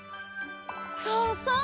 そうそう！